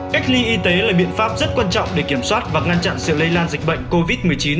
cách ly y tế là biện pháp rất quan trọng để kiểm soát và ngăn chặn sự lây lan dịch bệnh covid một mươi chín